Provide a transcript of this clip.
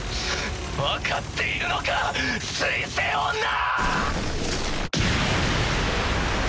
分かっているのか水星女！